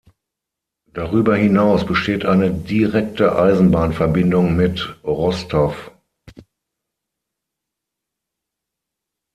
Darüber hinaus besteht eine direkte Eisenbahnverbindung mit Rostow.